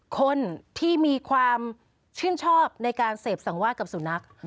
คนที่มีความชื่นชอบในการเสพสังวาดกับสุนัข